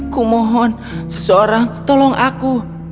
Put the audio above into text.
kumohon seseorang tolong aku